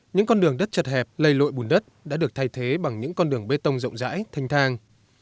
những con đường đất chật hẹp lầy lội bùn đất đã được thay thế bằng những con đường bê tông rộng rãi thanh thang